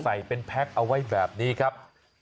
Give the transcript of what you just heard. ใส่เป็นแพ็คเอาไว้แบบนี้ครับ